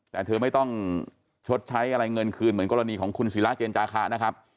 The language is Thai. แต่เธอไม่ต้องชดใช้อะไรเงินคืนเหมือนกรณีของคุณศิราเจนจาคะนะครับ